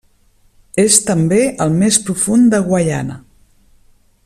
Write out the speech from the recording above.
És també el més profund de Guaiana.